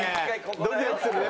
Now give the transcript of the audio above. ドキドキするね。